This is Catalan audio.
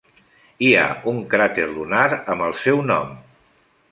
Hi ha un cràter lunar amb el seu nom.